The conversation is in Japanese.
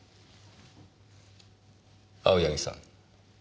青柳さん。